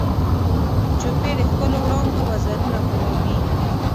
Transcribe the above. جوپې د ښکلو وړانګو وزرونه ګلابي